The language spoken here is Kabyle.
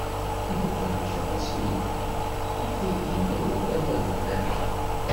Imukan mačči aṭas i yellan, akka i d-yenna ugraw adeblan.